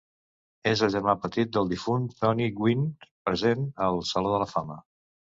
És el germà petit del difunt Tony Gwynn, present al Saló de la Fama.